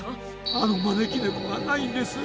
あのまねきねこがないんです。